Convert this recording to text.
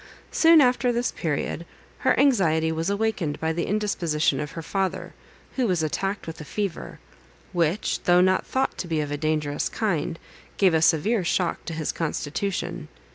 Soon after this period, her anxiety was awakened by the indisposition of her father, who was attacked with a fever; which, though not thought to be of a dangerous kind, gave a severe shock to his constitution.